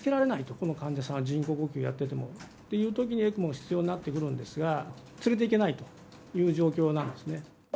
この患者さんは人工呼吸をやっててもという時にＥＣＭＯが必要になってくるんですが連れていけないという状況なんですね。